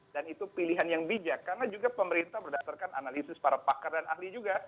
dan itu pilihan yang bijak karena juga pemerintah berdasarkan analisis para pakar dan ahli juga